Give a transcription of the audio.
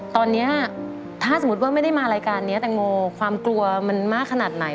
ตอนนี้ถ้าสมมุติว่าไม่ได้มารายการนี้แตงโมความกลัวมันมากขนาดไหน